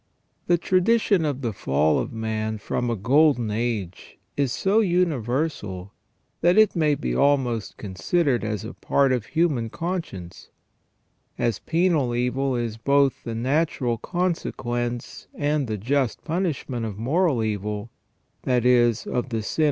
The tradition of the fall of man from a golden age is so universal, that it may be almost considered as a part of the human conscience. As penal evil is both the natural con sequence and the just punishment of moral evil — that is, of the sin ON PENAL EVIL OR PUNISHMENT.